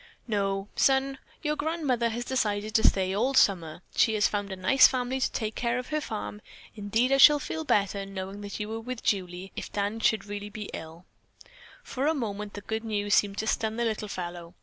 "No, son, your grandmother has decided to stay all summer. She has found a nice family to take care of her farm. Indeed I shall feel better, knowing that you are with Julie, if Dan should be really ill." For a moment the good news seemed to stun the little fellow.